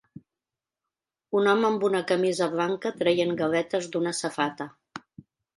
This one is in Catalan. Un home amb una camisa blanca traient galetes d'una safata.